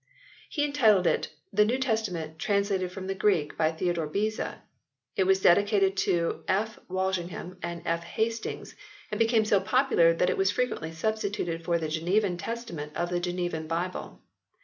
He entitled it " The New Testament, translated from the Greek by Theodore Beza." It was dedicated to F. Walsingham and F. Hastings and became so popular that it was frequently substituted for the Genevan Testament in the Genevan Bible.